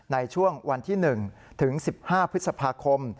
ในช่วงวันที่๑ถึง๑๕พฤษภาคม